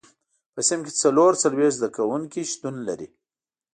په صنف کې څلور څلوېښت زده کوونکي شتون لري.